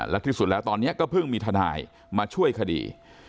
และที่สุดแล้วตอนนี้ก็เพิ่งมีทนายมาช่วยคดี